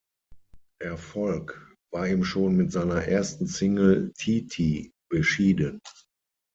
Erfolg war ihm schon mit seiner ersten Single "Ti Ti" beschieden.